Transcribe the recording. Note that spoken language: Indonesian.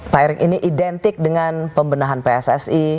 pak erik ini identik dengan pembenahan pssi